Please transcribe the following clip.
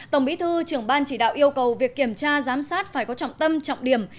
tổng bí thư trưởng ban chỉ đạo yêu cầu việc kiểm tra giám sát phải có trọng tâm trọng điểm